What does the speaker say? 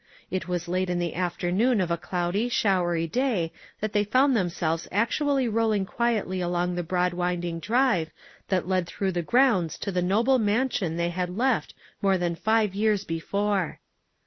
It was late in the afternoon of a cloudy, showery day that they found themselves actually rolling quietly along the broad winding drive that led through the grounds to the noble mansion they had left more than five years before.